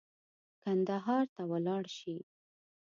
کندهار ته ولاړ شي.